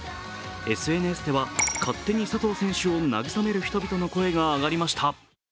ＳＮＳでは勝手に佐藤選手を慰める人々の声が上がりました。